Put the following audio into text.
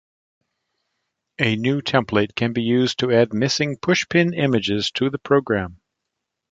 A new template can be used to add missing pushpin images to the program.